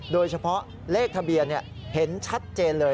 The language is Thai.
โดยเฉพาะเลขทะเบียนเห็นชัดเจนเลย